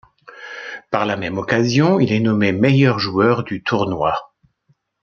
Par la même occasion, il est nommé meilleur joueur du tournoi.